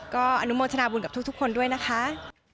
ก็อนุโมทนาบุญกับทุกคนด้วยนะคะ